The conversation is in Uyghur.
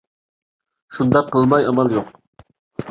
شۇنداق قىلماي ئامال يوق!